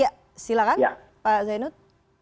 ya silahkan pak zainud